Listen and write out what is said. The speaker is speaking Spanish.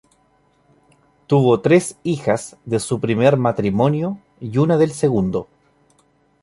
Tuvo tres hijas de su primer matrimonio y una del segundo.